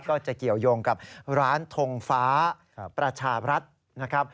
ก็จะเกี่ยวยงกับร้านทงฟ้าประชารัฐนะครับ